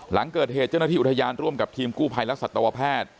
หลังเกิดเหตุเจ้าหน้าที่อุทยานร่วมกับทีมกู้ภัยและสัตวแพทย์